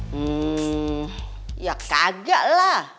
hmm ya kagak lah